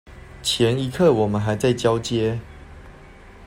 前一刻我們還在交接